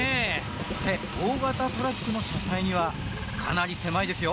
これ大型トラックの車体にはかなり狭いですよ